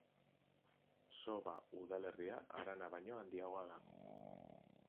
Soba udalerria harana baino handiagoa da.